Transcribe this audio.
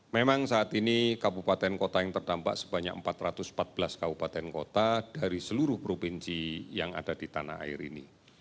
memang saat ini kabupaten kota yang terdampak sebanyak empat ratus empat belas kabupaten kota dari seluruh provinsi yang ada di tanah air ini